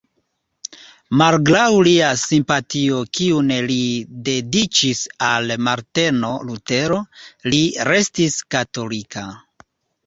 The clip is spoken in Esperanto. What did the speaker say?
Malgraŭ lia simpatio kiun li dediĉis al Marteno Lutero, li restis katolika.